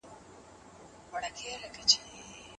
د ټولنیز بدلون عوامل وپیژنه.